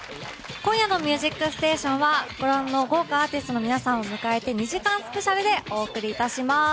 今夜の「ミュージックステーション」はご覧の豪華アーティストの皆さんを迎えて２時間スペシャルでお送り致します。